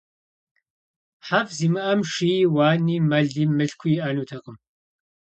ХьэфӀ зимыӀэм шыи, уани, мэли, мылъкуи иӀэнутэкъым.